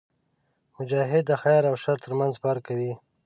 مجاهد د خیر او شر ترمنځ فرق کوي.